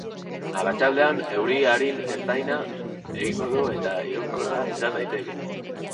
Arratsaldean euri arin-ertaina egingo du eta iraunkorra izan daiteke.